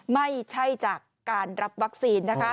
ไม่ใช่จากการรับวัคซีนนะคะ